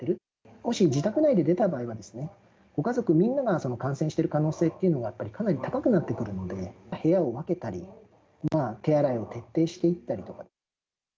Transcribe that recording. もし自宅内で出た場合は、ご家族みんなが感染している可能性がやっぱりかなり高くなってくるので、部屋を分けたり、手洗いを徹底していったりとか。